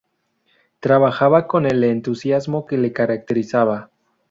Trabajaba con el entusiasmo que le caracterizaba.